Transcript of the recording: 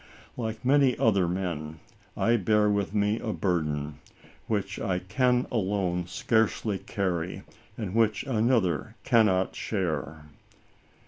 Like many an other man, I bear with me a burden, which I alone can scarcely carry, and which another can not share."